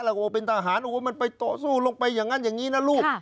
อ่ะกลัวเป็นทหารโอ้โหไปโตสู้ลงไปอย่างนั้นอย่างนี้นะลูก